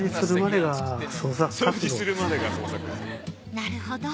なるほど。